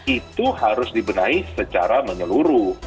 itu harus dibenahi secara menyeluruh